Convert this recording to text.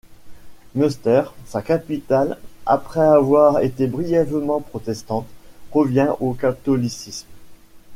Münster, sa capitale, après avoir été brièvement protestante, revient au catholicisme.